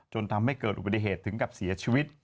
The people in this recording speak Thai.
จนทำให้เกิดอุบัติเหตุถึงกับเสียชีวิต